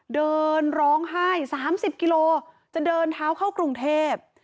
เดินร้องไห้๓๐กิโลจะเดินเท้าเข้ากรุงเทพ